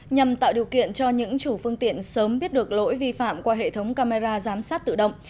nhằm tạo điều kiện cho những chủ phương tiện sớm biết được lỗi vi phạm qua hệ thống camera giám sát tự động